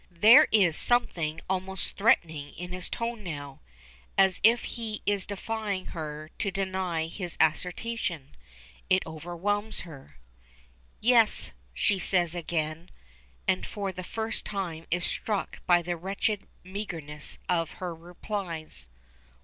There is something almost threatening in his tone now, as if he is defying her to deny his assertion. It overwhelms her. "Yes," she says again, and for the first time is struck by the wretched meagreness of her replies.